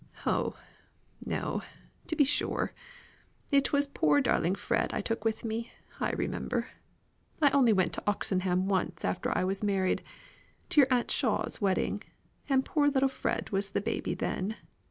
Oh, no! to be sure. It was poor darling Fred I took with me, I remember. I only went to Oxenham once after I was married, to your Aunt Shaw's wedding; and poor little Fred was the baby then.